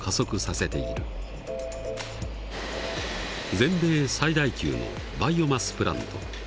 全米最大級のバイオマスプラント。